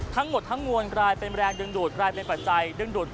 ทั้งหมดทั้งมวลกลายเป็นแรงดึงดูดกลายเป็นปัจจัยดึงดูด